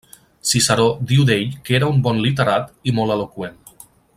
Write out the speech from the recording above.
Ciceró diu d'ell que era un bon literat i molt eloqüent.